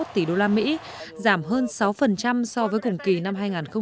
một mươi một năm mươi một tỷ đô la mỹ giảm hơn sáu so với cùng kỳ năm hai nghìn một mươi bốn